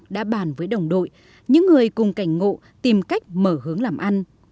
đã bàn với đồng đội những người cùng cảnh ngộ tìm cách mở hướng làm ăn